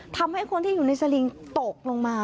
ทำให้คนที่อยู่ในสลิงตกลงมา